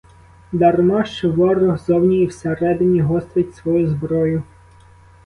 Дарма, що ворог зовні і всередині гострить свою зброю.